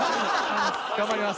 頑張ります！